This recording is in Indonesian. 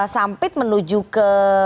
sampit menuju ke